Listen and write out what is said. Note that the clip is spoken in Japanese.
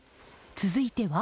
続いては。